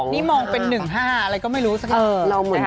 นี่มองเป็น๑๕อะไรก็ไม่รู้สักอย่าง